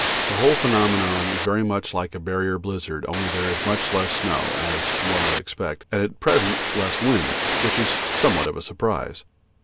The whole phenomenon is very like a Barrier blizzard, only there is much less snow, as one would expect, and at present less wind, which is somewhat of a surprise.